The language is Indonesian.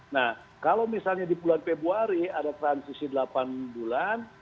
nah kalau misalnya di bulan februari ada transisi delapan bulan